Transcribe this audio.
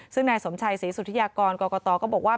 ซึ่งนายสมชัยศรีสุธิยากรกรกตก็บอกว่า